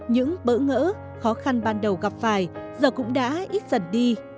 những bỡ ngỡ khó khăn ban đầu gặp phải giờ cũng đã ít dần đi